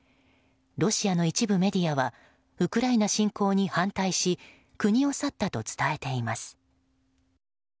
ロシアの一部メディアはウクライナ侵攻に反対し国を去ったと伝えています。